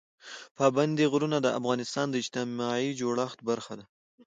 پابندی غرونه د افغانستان د اجتماعي جوړښت برخه ده.